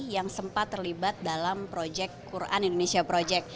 yang sempat terlibat dalam proyek quran indonesia project